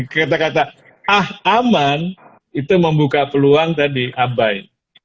kata kata ah aman itu membuka peluang tadi abai